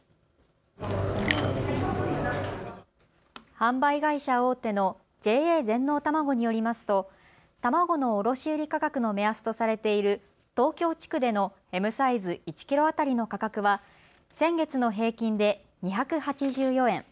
販売会社大手のＪＡ全農たまごによりますと卵の卸売価格の目安とされている東京地区でのＭサイズ１キロ当たりの価格は先月の平均で２８４円。